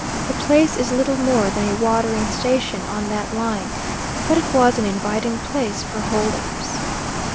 The place is little more than a watering station on that line, but it was an inviting place for hold ups.